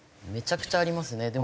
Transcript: めちゃくちゃありますね。